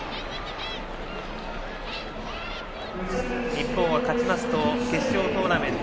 日本は勝ちますと決勝トーナメント